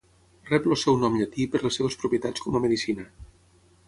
Rep el seu nom llatí per les seves propietats com a medicina.